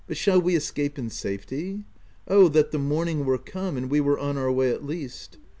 But shall we escape in safety ? Oh, that the morning were come, and we were on our way at least